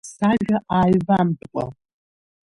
Сажәа ааҩбамтәкәа.